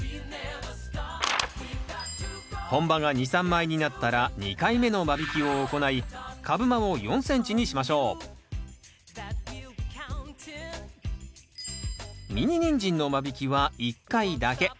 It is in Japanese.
本葉が２３枚になったら２回目の間引きを行い株間を４ｃｍにしましょうミニニンジンの間引きは１回だけ。